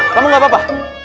kamu gak apa apa